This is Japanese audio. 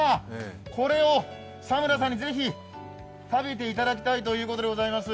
これを佐村さんにぜひ食べていただきたいということでございます。